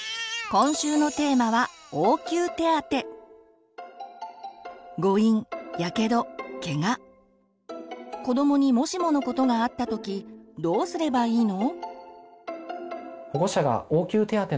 今週のテーマは子どもにもしものことがあったときどうすればいいの？